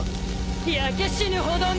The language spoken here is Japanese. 焼け死ぬほどにね！